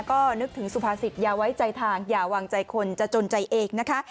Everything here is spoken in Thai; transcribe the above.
ก็นึกถึงสุภาษิตอย่าไว้ใจทางอย่าวางใจคนจะจนใจเองนะคะ